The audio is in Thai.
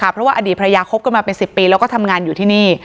เพราะว่าอดีตภรรยาคบกันมาเป็น๑๐ปีแล้วก็ทำงานอยู่ที่นี่